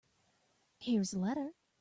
Here is the letter.